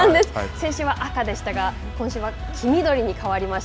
先週は赤でしたが今週は黄緑に変わりました。